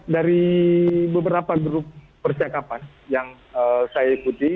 dari beberapa grup percakapan yang saya ikuti